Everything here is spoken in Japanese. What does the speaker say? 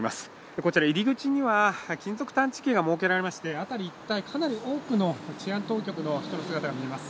こちら入り口には金属探知機が設けられまして、辺り一帯かなり多くの治安当局の人の姿がみられます。